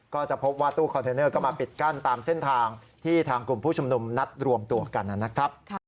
ก็จะพบว่าตู้คอนเทนเนอร์ก็มาปิดกั้นตามเส้นทางที่ทางกลุ่มผู้ชุมนุมนัดรวมตัวกันนะครับ